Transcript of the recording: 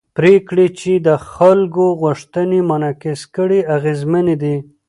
پرېکړې چې د خلکو غوښتنې منعکس کړي اغېزمنې دي